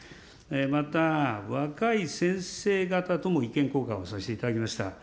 また、若い先生方とも意見交換をさせていただきました。